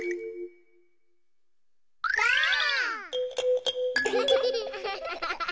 ばあっ！